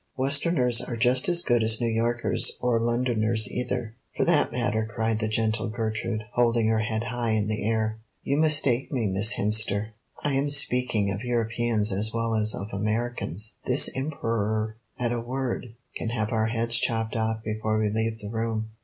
"Westerners are just as good as New Yorkers, or Londoners either, for that matter," cried the gentle Gertrude, holding her head high in the air. "You mistake me, Miss Hemster; I am speaking of Europeans as well as of Americans. This Emperor, at a word, can have our heads chopped off before we leave the room."